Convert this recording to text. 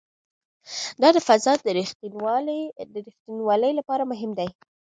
دا د فضا د ریښتینولي لپاره مهم دی.